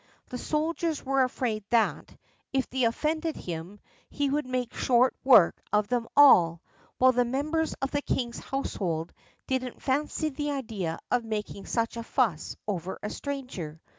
The soldiers were afraid that, if they offended him, he would make short work of them all, while the members of the king's household didn't fancy the idea of making such a fuss over a stranger.